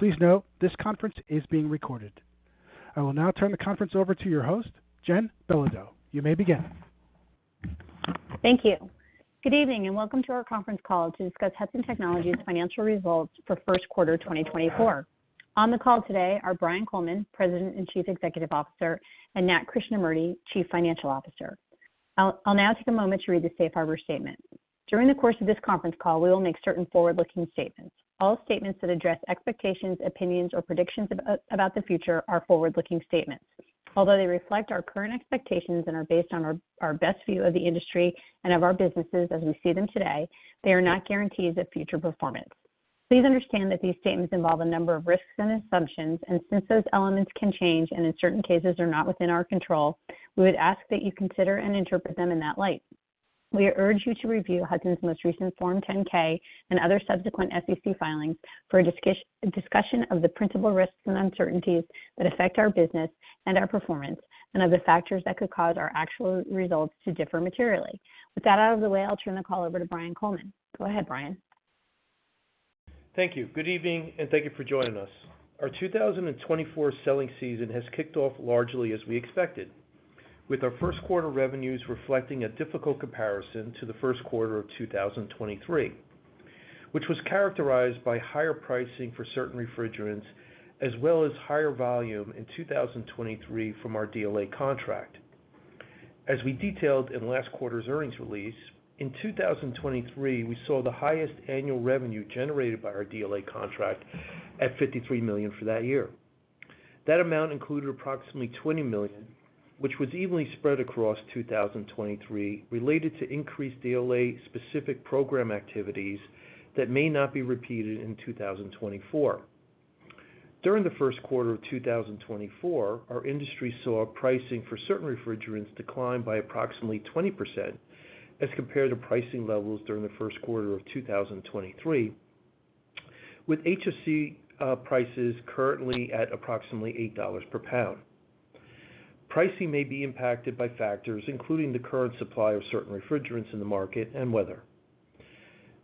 Please note, this conference is being recorded. I will now turn the conference over to your host, Jenn Belodeau. You may begin. Thank you. Good evening, and welcome to our conference call to discuss Hudson Technologies' financial results for the first quarter 2024. On the call today are Brian Coleman, President and Chief Executive Officer, and Nat Krishnamurti, Chief Financial Officer. I'll now take a moment to read the Safe Harbor statement. During the course of this conference call, we will make certain forward-looking statements. All statements that address expectations, opinions, or predictions about the future are forward-looking statements. Although they reflect our current expectations and are based on our best view of the industry and of our businesses as we see them today, they are not guarantees of future performance. Please understand that these statements involve a number of risks and assumptions, and since those elements can change, and in certain cases, are not within our control, we would ask that you consider and interpret them in that light. We urge you to review Hudson's most recent Form 10-K and other subsequent SEC filings for a discussion of the principal risks and uncertainties that affect our business and our performance, and other factors that could cause our actual results to differ materially. With that out of the way, I'll turn the call over to Brian Coleman. Go ahead, Brian. Thank you. Good evening, and thank you for joining us. Our 2024 selling season has kicked off largely as we expected, with our first quarter revenues reflecting a difficult comparison to the first quarter of 2023, which was characterized by higher pricing for certain refrigerants, as well as higher volume in 2023 from our DLA contract. As we detailed in last quarter's earnings release, in 2023, we saw the highest annual revenue generated by our DLA contract at $53 million for that year. That amount included approximately $20 million, which was evenly spread across 2023, related to increased DLA-specific program activities that may not be repeated in 2024. During the first quarter of 2024, our industry saw pricing for certain refrigerants decline by approximately 20% as compared to pricing levels during the first quarter of 2023, with HFC prices currently at approximately $8 per pound. Pricing may be impacted by factors, including the current supply of certain refrigerants in the market and weather.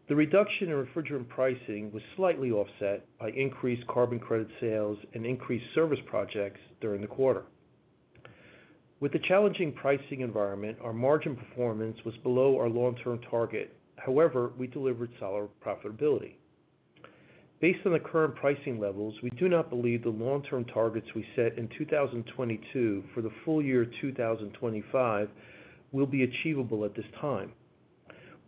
The reduction in refrigerant pricing was slightly offset by increased carbon credit sales and increased service projects during the quarter. With the challenging pricing environment, our margin performance was below our long-term target. However, we delivered solid profitability. Based on the current pricing levels, we do not believe the long-term targets we set in 2022 for the full year 2025 will be achievable at this time.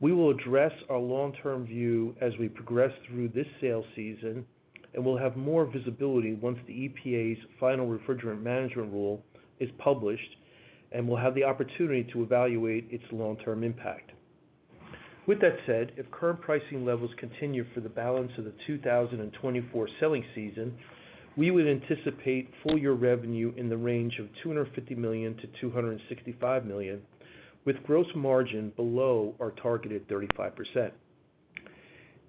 We will address our long-term view as we progress through this sales season and will have more visibility once the EPA's final Refrigerant Management Rule is published, and we'll have the opportunity to evaluate its long-term impact. With that said, if current pricing levels continue for the balance of the 2024 selling season, we would anticipate full year revenue in the range of $250 million-$265 million, with gross margin below our targeted 35%.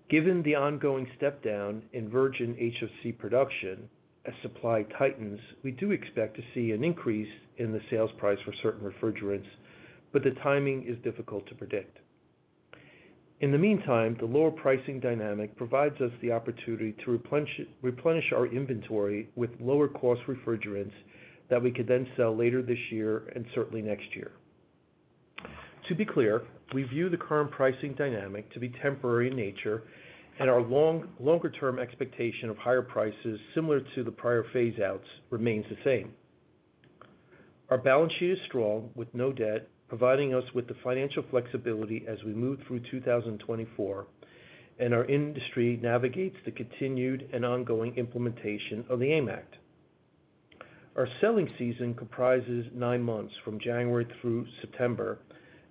Given the ongoing step down in virgin HFC production, as supply tightens, we do expect to see an increase in the sales price for certain refrigerants, but the timing is difficult to predict. In the meantime, the lower pricing dynamic provides us the opportunity to replenish our inventory with lower-cost refrigerants that we could then sell later this year and certainly next year. To be clear, we view the current pricing dynamic to be temporary in nature, and our longer-term expectation of higher prices, similar to the prior phase outs, remains the same. Our balance sheet is strong, with no debt, providing us with the financial flexibility as we move through 2024, and our industry navigates the continued and ongoing implementation of the AIM Act. Our selling season comprises 9 months, from January through September,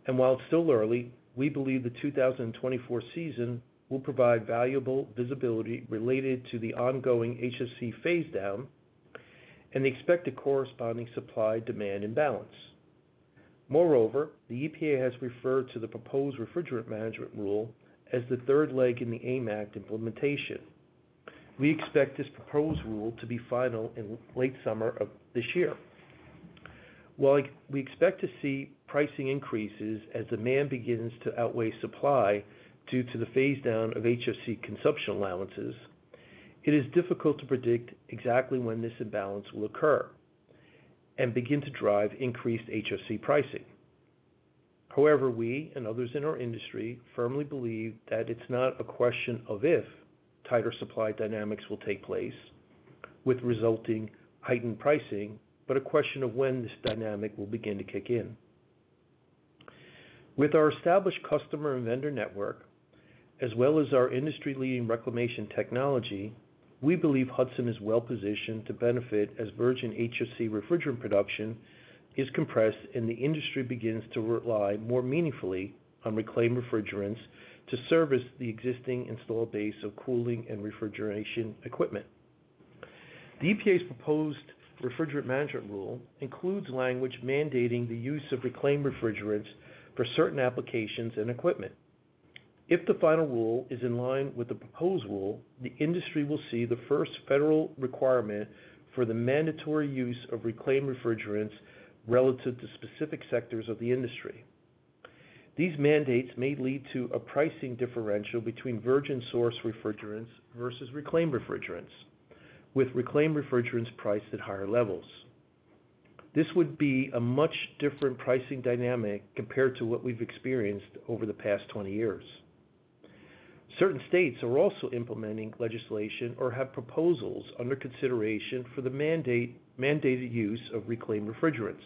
and while it's still early, we believe the 2024 season will provide valuable visibility related to the ongoing HFC phase down and the expected corresponding supply-demand imbalance. Moreover, the EPA has referred to the proposed Refrigerant Management Rule as the third leg in the AIM Act implementation. We expect this proposed rule to be final in late summer of this year. While we expect to see pricing increases as demand begins to outweigh supply due to the phase-down of HFC consumption allowances, it is difficult to predict exactly when this imbalance will occur and begin to drive increased HFC pricing. However, we and others in our industry firmly believe that it's not a question of if tighter supply dynamics will take place with resulting heightened pricing, but a question of when this dynamic will begin to kick in. With our established customer and vendor network, as well as our industry-leading reclamation technology, we believe Hudson is well positioned to benefit as virgin HFC refrigerant production is compressed and the industry begins to rely more meaningfully on reclaimed refrigerants to service the existing installed base of cooling and refrigeration equipment. The EPA's proposed Refrigerant Management Rule includes language mandating the use of reclaimed refrigerants for certain applications and equipment. If the final rule is in line with the proposed rule, the industry will see the first federal requirement for the mandatory use of reclaimed refrigerants relative to specific sectors of the industry. These mandates may lead to a pricing differential between virgin source refrigerants versus reclaimed refrigerants, with reclaimed refrigerants priced at higher levels. This would be a much different pricing dynamic compared to what we've experienced over the past 20 years. Certain states are also implementing legislation or have proposals under consideration for the mandated use of reclaimed refrigerants.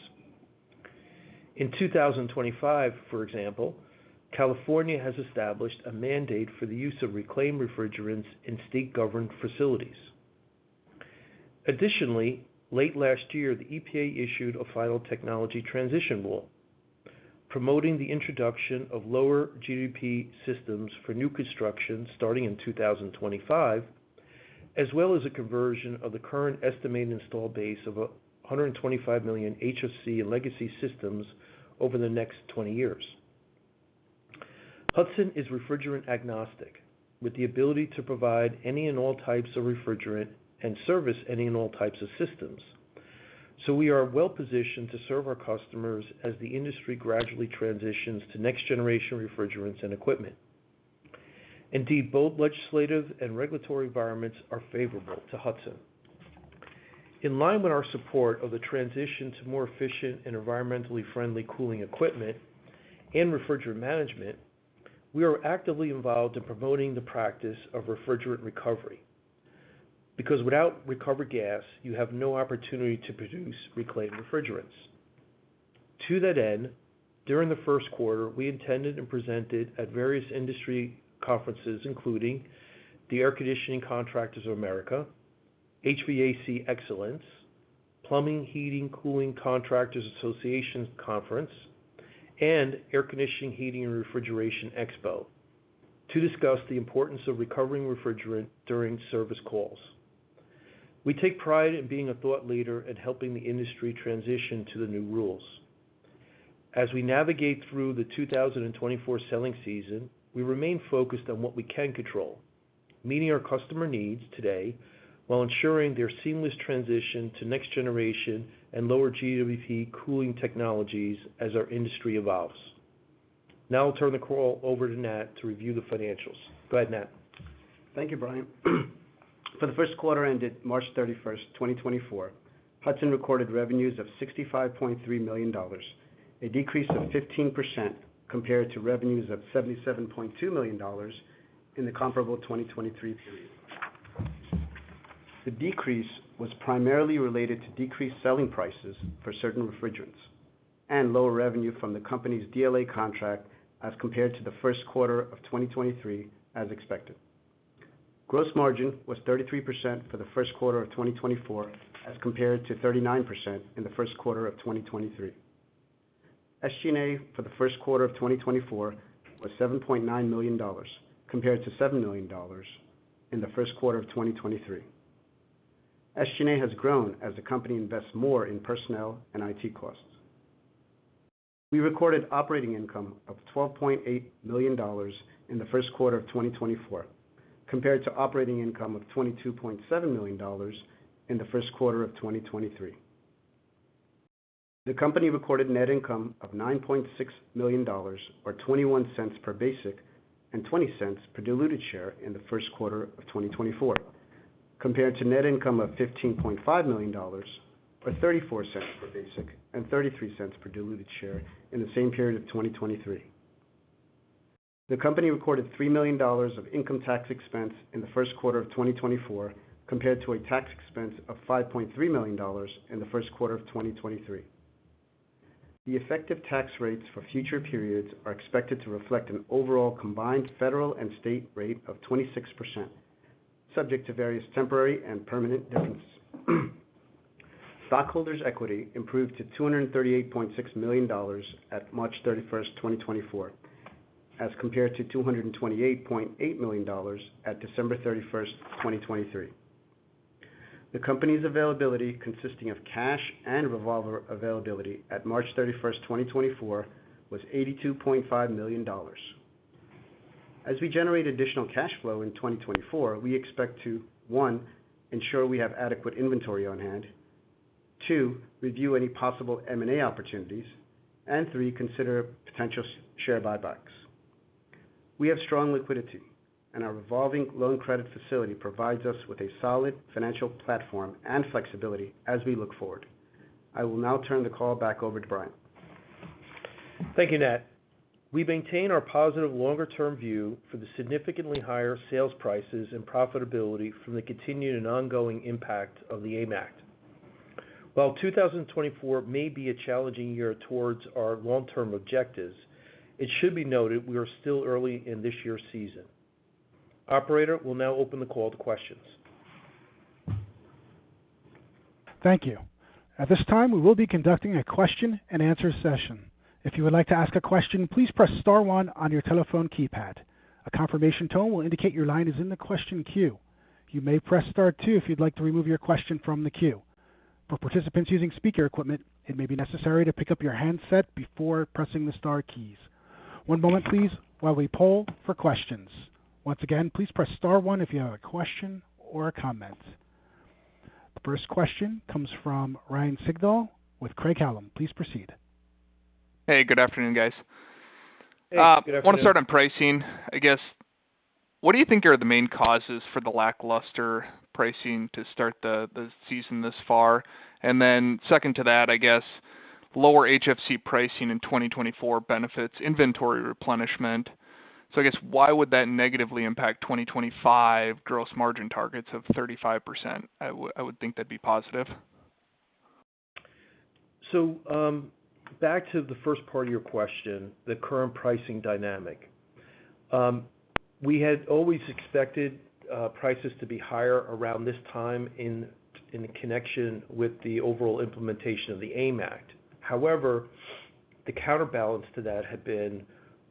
In 2025, for example, California has established a mandate for the use of reclaimed refrigerants in state-governed facilities. Additionally, late last year, the EPA issued a final Technology Transition Rule, promoting the introduction of lower GWP systems for new construction starting in 2025, as well as a conversion of the current estimated installed base of 125 million HFC legacy systems over the next 20 years. Hudson is refrigerant agnostic, with the ability to provide any and all types of refrigerant and service any and all types of systems. So we are well positioned to serve our customers as the industry gradually transitions to next-generation refrigerants and equipment. Indeed, both legislative and regulatory environments are favorable to Hudson. In line with our support of the transition to more efficient and environmentally friendly cooling equipment and refrigerant management, we are actively involved in promoting the practice of refrigerant recovery, because without recovered gas, you have no opportunity to produce reclaimed refrigerants. To that end, during the first quarter, we attended and presented at various industry conferences, including the Air Conditioning Contractors of America, HVAC Excellence, Plumbing, Heating, Cooling Contractors Association Conference, and Air Conditioning, Heating and Refrigeration Expo, to discuss the importance of recovering refrigerant during service calls. We take pride in being a thought leader and helping the industry transition to the new rules. As we navigate through the 2024 selling season, we remain focused on what we can control, meeting our customer needs today, while ensuring their seamless transition to next generation and lower GWP cooling technologies as our industry evolves. Now I'll turn the call over to Nat to review the financials. Go ahead, Nat. Thank you, Brian. For the first quarter ended March 31, 2024, Hudson recorded revenues of $65.3 million, a decrease of 15% compared to revenues of $77.2 million in the comparable 2023 period. The decrease was primarily related to decreased selling prices for certain refrigerants and lower revenue from the company's DLA contract as compared to the first quarter of 2023, as expected. Gross margin was 33% for the first quarter of 2024, as compared to 39% in the first quarter of 2023. SG&A for the first quarter of 2024 was $7.9 million, compared to $7 million in the first quarter of 2023. SG&A has grown as the company invests more in personnel and IT costs. We recorded operating income of $12.8 million in the first quarter of 2024, compared to operating income of $22.7 million in the first quarter of 2023. The company recorded net income of $9.6 million, or $0.21 per basic and $0.20 per diluted share in the first quarter of 2024, compared to net income of $15.5 million, or $0.34 per basic and $0.33 per diluted share in the same period of 2023. The company recorded $3 million of income tax expense in the first quarter of 2024, compared to a tax expense of $5.3 million in the first quarter of 2023. The effective tax rates for future periods are expected to reflect an overall combined federal and state rate of 26%, subject to various temporary and permanent differences. Stockholders' equity improved to $238.6 million at March 31, 2024, as compared to $228.8 million at December 31, 2023. The company's availability, consisting of cash and revolver availability at March 31, 2024, was $82.5 million. As we generate additional cash flow in 2024, we expect to, one, ensure we have adequate inventory on hand, two, review any possible M&A opportunities, and three, consider potential share buybacks. We have strong liquidity, and our revolving loan credit facility provides us with a solid financial platform and flexibility as we look forward. I will now turn the call back over to Brian. Thank you, Nat. We maintain our positive longer-term view for the significantly higher sales prices and profitability from the continued and ongoing impact of the AIM Act. While 2024 may be a challenging year towards our long-term objectives, it should be noted we are still early in this year's season. Operator, we'll now open the call to questions. Thank you. At this time, we will be conducting a question-and-answer session. If you would like to ask a question, please press star one on your telephone keypad. A confirmation tone will indicate your line is in the question queue. You may press star two if you'd like to remove your question from the queue. For participants using speaker equipment, it may be necessary to pick up your handset before pressing the star keys. One moment please while we poll for questions. Once again, please press star one if you have a question or a comment.... The first question comes from Ryan Sigdahl with Craig-Hallum. Please proceed. Hey, good afternoon, guys. Hey, good afternoon. I want to start on pricing. I guess, what do you think are the main causes for the lackluster pricing to start the season this far? And then second to that, I guess, lower HFC pricing in 2024 benefits inventory replenishment. So I guess, why would that negatively impact 2025 gross margin targets of 35%? I would think that'd be positive. So, back to the first part of your question, the current pricing dynamic. We had always expected, prices to be higher around this time in connection with the overall implementation of the AIM Act. However, the counterbalance to that had been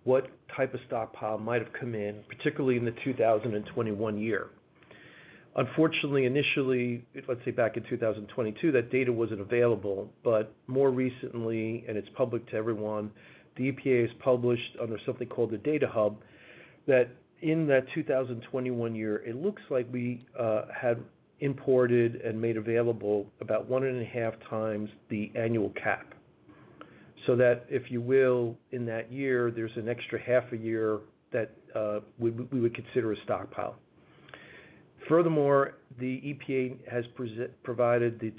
what type of stockpile might have come in, particularly in the 2021 year. Unfortunately, initially, let's say back in 2022, that data wasn't available, but more recently, and it's public to everyone, the EPA has published under something called the Data Hub, that in that 2021 year, it looks like we had imported and made available about 1.5 times the annual cap. So that, if you will, in that year, there's an extra half a year that we would consider a stockpile. Furthermore, the EPA has provided the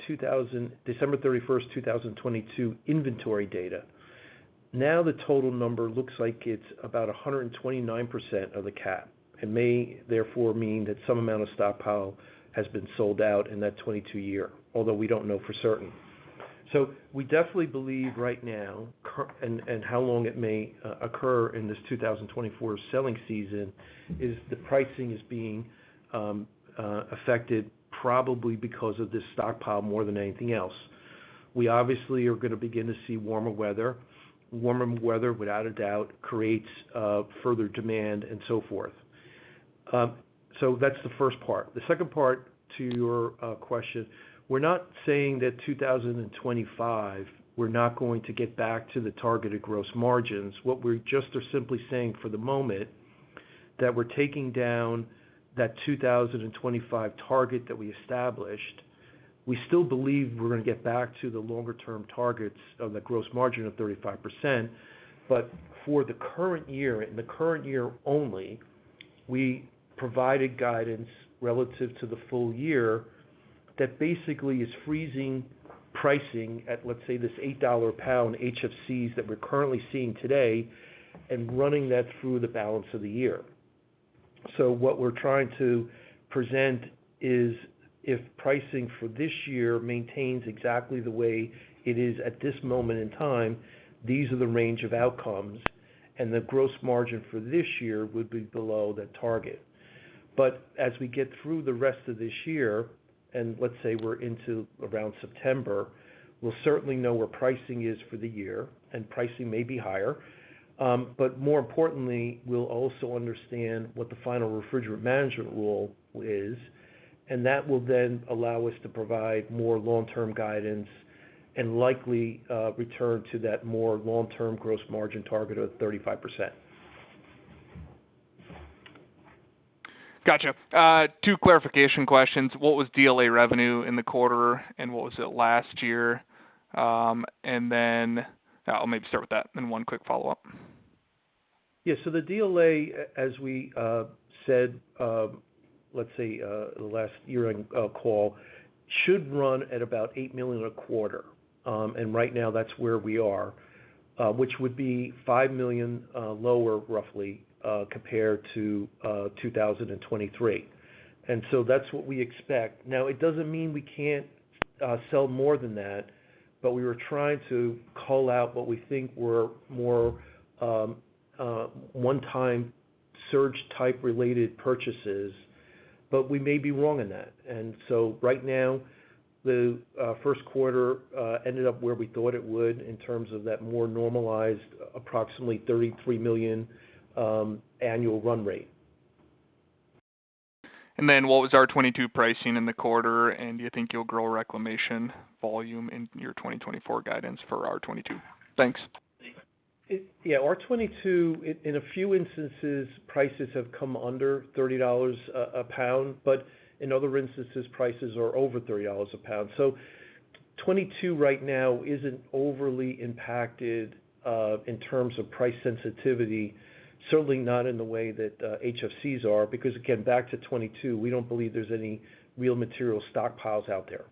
December 31, 2022 inventory data. Now, the total number looks like it's about 129% of the cap, and may therefore mean that some amount of stockpile has been sold out in that 2022 year, although we don't know for certain. So we definitely believe right now, and, and how long it may occur in this 2024 selling season, is the pricing is being affected probably because of this stockpile more than anything else. We obviously are gonna begin to see warmer weather. Warmer weather, without a doubt, creates further demand, and so forth. So that's the first part. The second part to your question, we're not saying that 2025, we're not going to get back to the targeted gross margins. What we're simply saying for the moment is that we're taking down that 2025 target that we established. We still believe we're gonna get back to the longer-term targets of the gross margin of 35%. But for the current year, and the current year only, we provided guidance relative to the full year that basically is freezing pricing at, let's say, this $8 a pound HFCs that we're currently seeing today and running that through the balance of the year. So what we're trying to present is, if pricing for this year maintains exactly the way it is at this moment in time, these are the range of outcomes, and the gross margin for this year would be below that target. But as we get through the rest of this year, and let's say we're into around September, we'll certainly know where pricing is for the year, and pricing may be higher. But more importantly, we'll also understand what the final refrigerant management rule is, and that will then allow us to provide more long-term guidance and likely, return to that more long-term gross margin target of 35%. Gotcha. Two clarification questions: What was DLA revenue in the quarter, and what was it last year? I'll maybe start with that, then one quick follow-up. Yeah, so the DLA, as we said, let's say, the last earnings call, should run at about $8 million a quarter. And right now, that's where we are, which would be $5 million lower, roughly, compared to 2023. And so that's what we expect. Now, it doesn't mean we can't sell more than that, but we were trying to call out what we think were more one-time surge type related purchases, but we may be wrong in that. And so right now, the first quarter ended up where we thought it would in terms of that more normalized, approximately $33 million annual run rate. And then, what was R-22 pricing in the quarter, and do you think you'll grow reclamation volume in your 2024 guidance for R-22? Thanks. Yeah, R-22, in a few instances, prices have come under $30 a pound, but in other instances, prices are over $30 a pound. So 22 right now isn't overly impacted in terms of price sensitivity, certainly not in the way that HFCs are, because again, back to 22 we don't believe there's any real material stockpiles out there.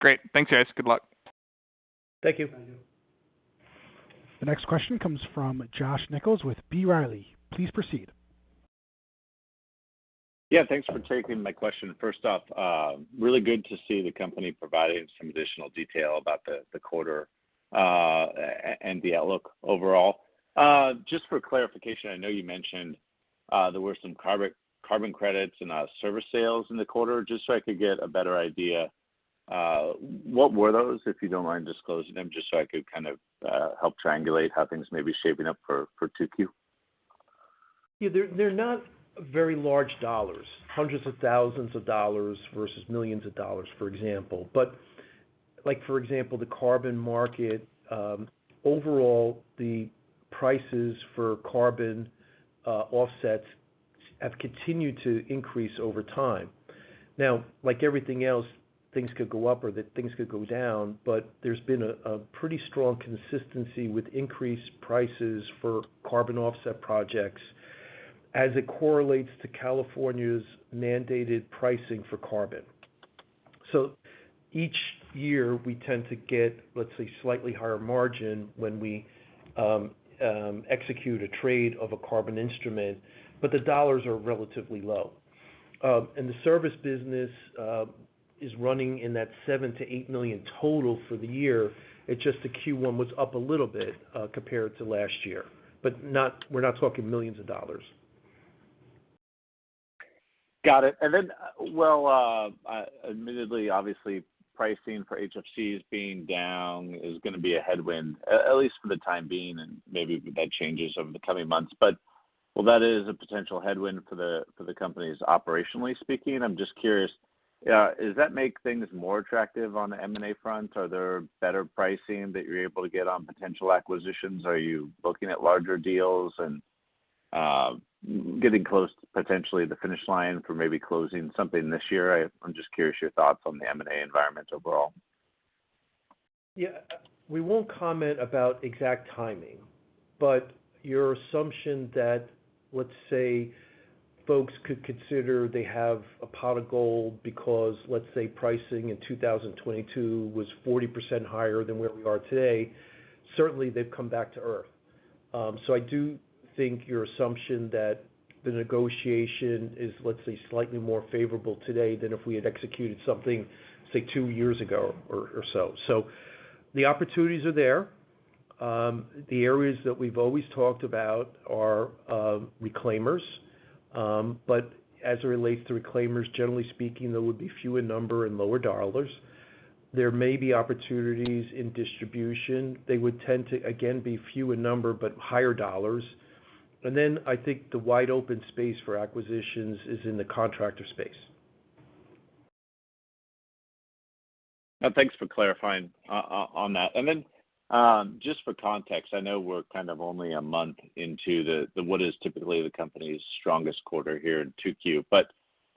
Great. Thanks, guys. Good luck. Thank you. The next question comes from Josh Nichols with B. Riley. Please proceed. Yeah, thanks for taking my question. First off, really good to see the company providing some additional detail about the quarter, and the outlook overall. Just for clarification, I know you mentioned there were some carbon credits and service sales in the quarter. Just so I could get a better idea, what were those, if you don't mind disclosing them, just so I could kind of help triangulate how things may be shaping up for 2Q? Yeah, they're, they're not very large dollars, hundreds of thousands of dollars versus millions of dollars, for example. But like, for example, the carbon market, overall, the prices for carbon offsets have continued to increase over time. Now, like everything else, things could go up or things could go down, but there's been a pretty strong consistency with increased prices for carbon offset projects as it correlates to California's mandated pricing for carbon. So each year, we tend to get, let's say, slightly higher margin when we execute a trade of a carbon instrument, but the dollars are relatively low. And the service business is running in that $7 million-$8 million total for the year. It's just that Q1 was up a little bit compared to last year, but not we're not talking millions of dollars. Got it. And then, well, I admittedly, obviously, pricing for HFCs being down is gonna be a headwind, at least for the time being, and maybe that changes over the coming months. But while that is a potential headwind for the companies operationally speaking, I'm just curious, does that make things more attractive on the M&A front? Are there better pricing that you're able to get on potential acquisitions? Are you looking at larger deals and getting close to potentially the finish line for maybe closing something this year? I'm just curious your thoughts on the M&A environment overall. Yeah, we won't comment about exact timing, but your assumption that, let's say, folks could consider they have a pot of gold because, let's say, pricing in 2022 was 40% higher than where we are today, certainly they've come back to earth. So I do think your assumption that the negotiation is, let's say, slightly more favorable today than if we had executed something, say, 2 years ago or so. So the opportunities are there. The areas that we've always talked about are reclaimers. But as it relates to reclaimers, generally speaking, there would be fewer number and lower dollars. There may be opportunities in distribution. They would tend to, again, be few in number, but higher dollars. And then I think the wide-open space for acquisitions is in the contractor space. Thanks for clarifying on that. And then, just for context, I know we're kind of only a month into what is typically the company's strongest quarter here in 2Q. But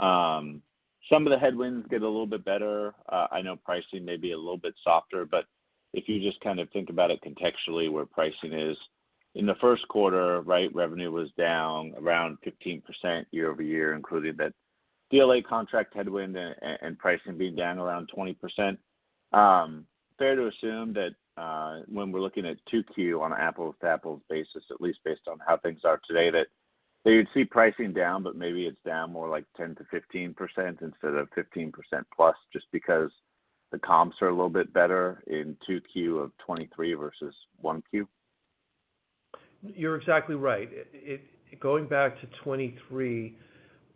some of the headwinds get a little bit better. I know pricing may be a little bit softer, but if you just kind of think about it contextually, where pricing is. In the first quarter, right, revenue was down around 15% year-over-year, including that DLA contract headwind and pricing being down around 20%. Fair to assume that, when we're looking at 2Q on an apples-to-apples basis, at least based on how things are today, that you'd see pricing down, but maybe it's down more like 10%-15% instead of 15%+, just because the comps are a little bit better in 2Q of 2023 versus 1Q? You're exactly right. It, going back to 2023,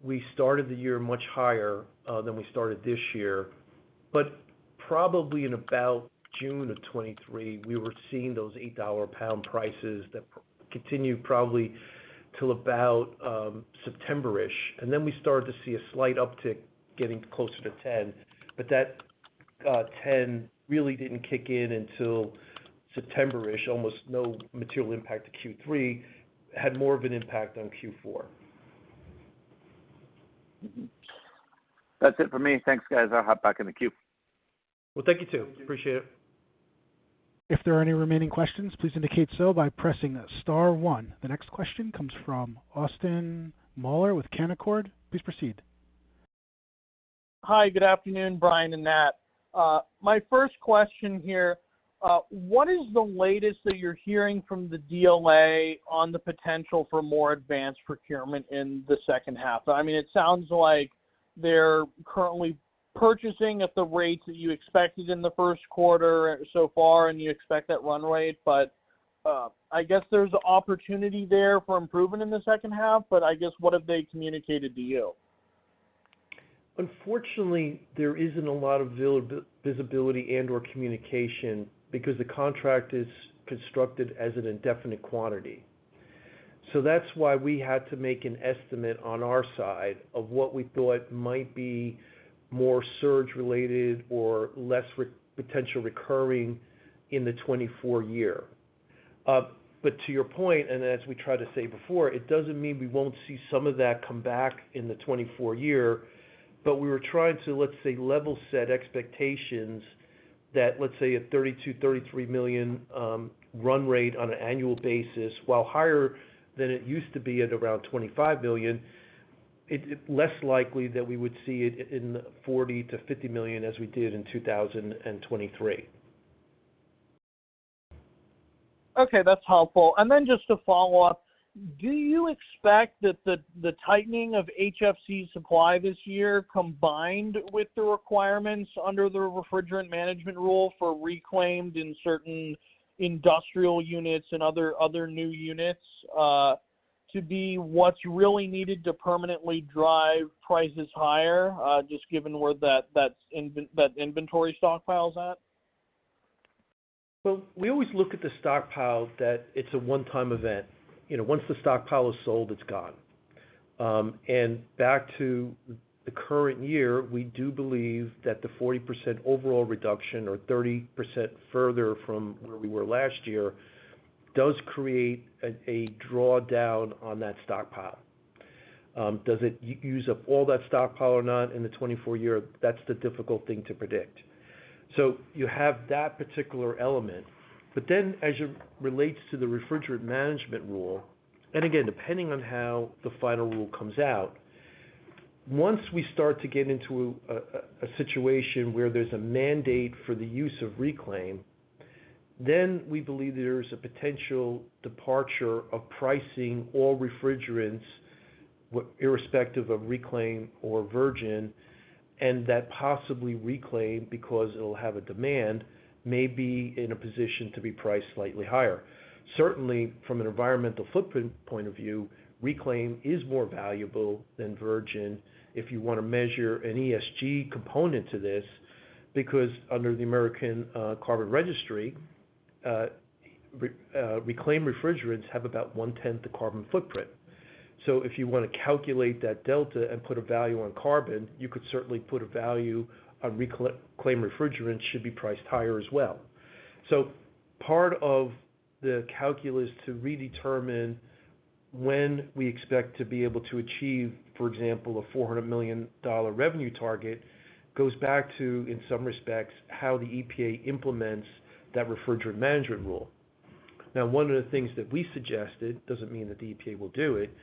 we started the year much higher than we started this year. But probably in about June of 2023, we were seeing those $8 pound prices that continued probably till about September-ish, and then we started to see a slight uptick, getting closer to 10. But that 10 really didn't kick in until September-ish. Almost no material impact to Q3. Had more of an impact on Q4. That's it for me. Thanks, guys. I'll hop back in the queue. Well, thank you, too. Appreciate it. If there are any remaining questions, please indicate so by pressing star one. The next question comes from Austin Moeller with Canaccord. Please proceed. Hi, good afternoon, Brian and Nat. My first question here, what is the latest that you're hearing from the DLA on the potential for more advanced procurement in the second half? I mean, it sounds like they're currently purchasing at the rates that you expected in the first quarter so far, and you expect that run rate, but, I guess there's opportunity there for improvement in the second half, but I guess, what have they communicated to you? Unfortunately, there isn't a lot of visibility and/or communication because the contract is constructed as an indefinite quantity. So that's why we had to make an estimate on our side of what we thought might be more surge related or less potential recurring in the 2024 year. But to your point, and as we tried to say before, it doesn't mean we won't see some of that come back in the 2024 year, but we were trying to, let's say, level set expectations that, let's say, a $32 million-$33 million run rate on an annual basis, while higher than it used to be at around $25 million, it's less likely that we would see it in $40 million-$50 million, as we did in 2023. Okay, that's helpful. And then just to follow up, do you expect that the tightening of HFC supply this year, combined with the requirements under the Refrigerant Management Rule for reclaimed in certain industrial units and other new units, to be what's really needed to permanently drive prices higher, just given where that inventory stockpile's at?... Well, we always look at the stockpile that it's a one-time event. You know, once the stockpile is sold, it's gone. And back to the current year, we do believe that the 40% overall reduction or 30% further from where we were last year, does create a drawdown on that stockpile. Does it use up all that stockpile or not in the 2024 year? That's the difficult thing to predict. So you have that particular element, but then as it relates to the Refrigerant Management Rule, and again, depending on how the final rule comes out, once we start to get into a situation where there's a mandate for the use of reclaim, then we believe there's a potential departure of pricing all refrigerants irrespective of reclaim or virgin, and that possibly reclaim, because it'll have a demand, may be in a position to be priced slightly higher. Certainly, from an environmental footprint point of view, reclaim is more valuable than virgin if you wanna measure an ESG component to this, because under the American Carbon Registry, reclaimed refrigerants have about one tenth the carbon footprint. So if you wanna calculate that delta and put a value on carbon, you could certainly put a value on reclaimed refrigerant should be priced higher as well. So part of the calculus to redetermine when we expect to be able to achieve, for example, a $400 million revenue target, goes back to, in some respects, how the EPA implements that Refrigerant Management Rule. Now, one of the things that we suggested, doesn't mean that the EPA will do it,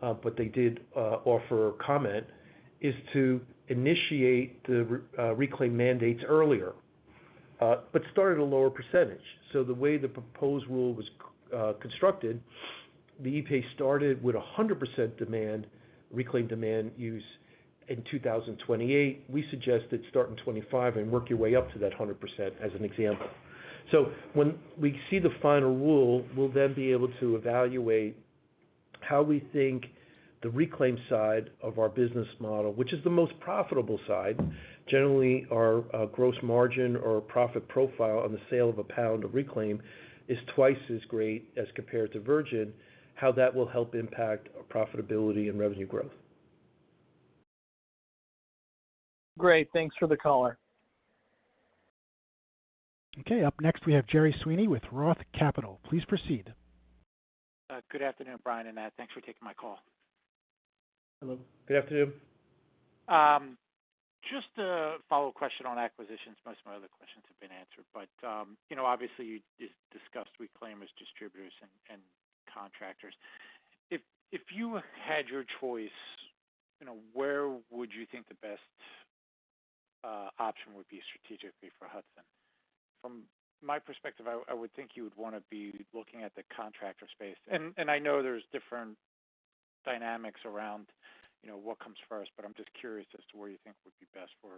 but they did offer a comment, is to initiate the reclaim mandates earlier, but start at a lower percentage. So the way the proposed rule was constructed, the EPA started with a 100% demand, reclaim demand use in 2028. We suggested start in 2025 and work your way up to that 100% as an example. So when we see the final rule, we'll then be able to evaluate how we think the reclaim side of our business model, which is the most profitable side, generally, our gross margin or profit profile on the sale of a pound of reclaim is twice as great as compared to virgin, how that will help impact our profitability and revenue growth. Great, thanks for the color. Okay, up next, we have Gerry Sweeney with Roth Capital. Please proceed. Good afternoon, Brian and Nat. Thanks for taking my call. Hello. Good afternoon. Just a follow-up question on acquisitions. Most of my other questions have been answered, but, you know, obviously you discussed reclaim as distributors and contractors. If you had your choice, you know, where would you think the best option would be strategically for Hudson? From my perspective, I would think you would wanna be looking at the contractor space. And I know there's different dynamics around, you know, what comes first, but I'm just curious as to where you think would be best for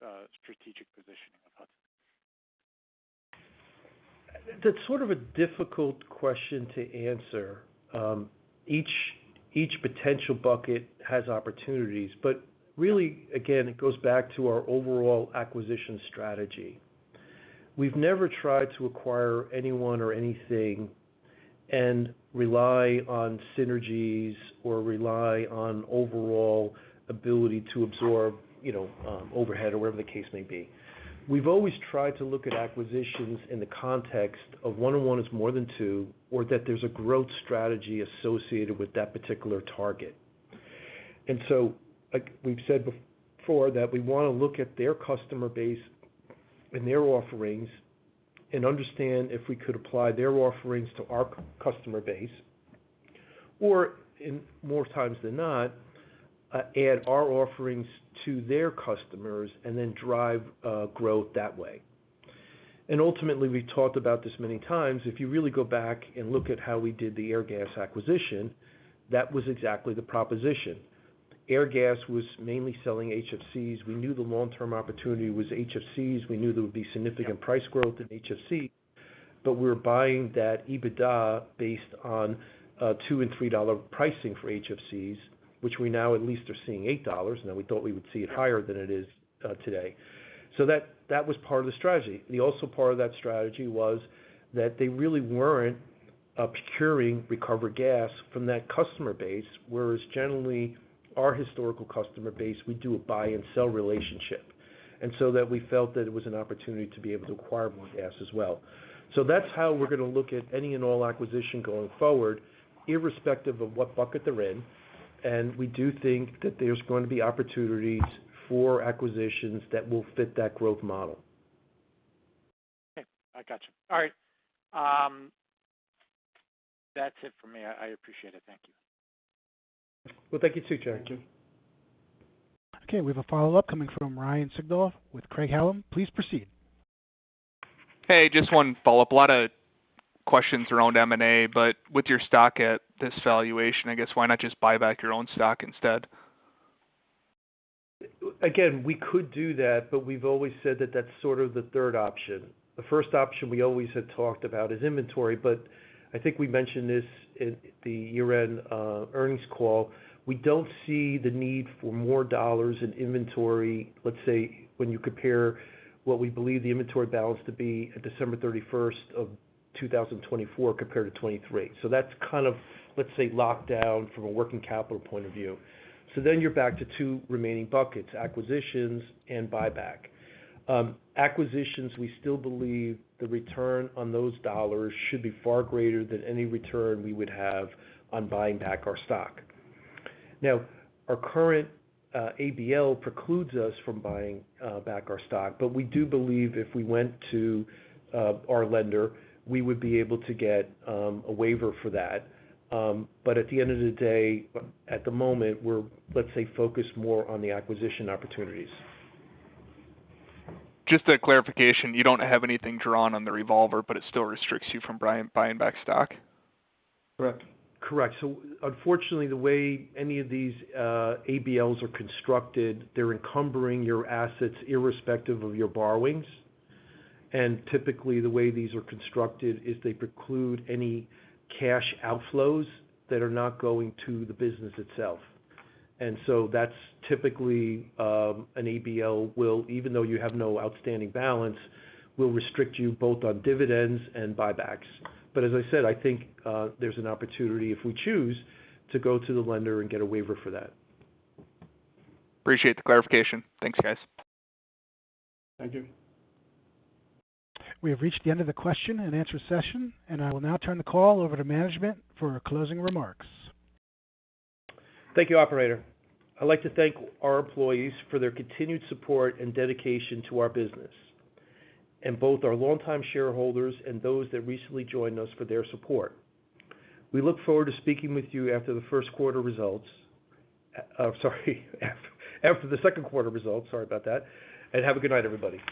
the strategic positioning of Hudson. That's sort of a difficult question to answer. Each potential bucket has opportunities, but really, again, it goes back to our overall acquisition strategy. We've never tried to acquire anyone or anything and rely on synergies or rely on overall ability to absorb, you know, overhead or whatever the case may be. We've always tried to look at acquisitions in the context of one-on-one is more than two, or that there's a growth strategy associated with that particular target. And so, like we've said before, that we wanna look at their customer base and their offerings and understand if we could apply their offerings to our customer base, or in more times than not, add our offerings to their customers and then drive growth that way. Ultimately, we've talked about this many times. If you really go back and look at how we did the Airgas acquisition, that was exactly the proposition. Airgas was mainly selling HFCs. We knew the long-term opportunity was HFCs. We knew there would be significant price growth in HFCs, but we were buying that EBITDA based on $2 and $3 pricing for HFCs, which we now at least are seeing $8, and then we thought we would see it higher than it is today. So that, that was part of the strategy. The also part of that strategy was that they really weren't procuring recovered gas from that customer base, whereas generally, our historical customer base, we do a buy and sell relationship. And so that we felt that it was an opportunity to be able to acquire more gas as well. So that's how we're gonna look at any and all acquisition going forward, irrespective of what bucket they're in. And we do think that there's going to be opportunities for acquisitions that will fit that growth model. Okay, I got you. All right, that's it for me. I appreciate it. Thank you. Well, thank you too, Gerry. Okay, we have a follow-up coming from Ryan Sigdahl with Craig-Hallum. Please proceed. Hey, just one follow-up. A lot of questions around M&A, but with your stock at this valuation, I guess why not just buy back your own stock instead? Again, we could do that, but we've always said that that's sort of the third option. The first option we always had talked about is inventory, but I think we mentioned this in the year-end earnings call. We don't see the need for more dollars in inventory, let's say, when you compare what we believe the inventory balance to be at December 31 of 2024 compared to 2023. So that's kind of, let's say, locked down from a working capital point of view. So then you're back to two remaining buckets, acquisitions and buyback. Acquisitions, we still believe the return on those dollars should be far greater than any return we would have on buying back our stock. Now, our current ABL precludes us from buying back our stock, but we do believe if we went to our lender, we would be able to get a waiver for that. But at the end of the day, at the moment, we're, let's say, focused more on the acquisition opportunities. Just a clarification, you don't have anything drawn on the revolver, but it still restricts you from buying back stock? Correct. Correct. So unfortunately, the way any of these ABLs are constructed, they're encumbering your assets irrespective of your borrowings. And typically, the way these are constructed is they preclude any cash outflows that are not going to the business itself. And so that's typically an ABL will, even though you have no outstanding balance, will restrict you both on dividends and buybacks. But as I said, I think there's an opportunity, if we choose, to go to the lender and get a waiver for that. Appreciate the clarification. Thanks, guys. Thank you. We have reached the end of the question-and-answer session, and I will now turn the call over to management for closing remarks. Thank you, operator. I'd like to thank our employees for their continued support and dedication to our business, and both our longtime shareholders and those that recently joined us, for their support. We look forward to speaking with you after the first quarter results. Sorry, after the second quarter results, sorry about that, and have a good night, everybody.